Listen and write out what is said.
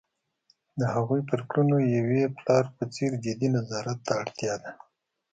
د هغوی پر کړنو یوې پلار په څېر جدي نظارت ته اړتیا ده.